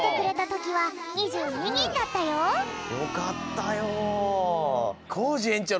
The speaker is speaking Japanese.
よかったよ。